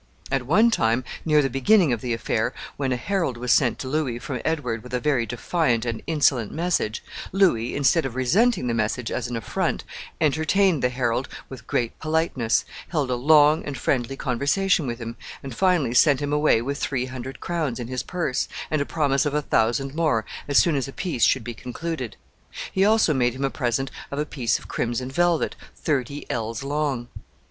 At one time, near the beginning of the affair, when a herald was sent to Louis from Edward with a very defiant and insolent message, Louis, instead of resenting the message as an affront, entertained the herald with great politeness, held a long and friendly conversation with him, and finally sent him away with three hundred crowns in his purse, and a promise of a thousand more as soon as a peace should be concluded. He also made him a present of a piece of crimson velvet "thirty ells long."